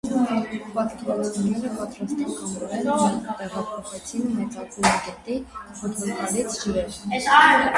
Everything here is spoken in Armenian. Պատկերացումները պատրաստակամորեն նրան տեղափոխեցին մեծագույն գետի փոթորկալից ջրերը։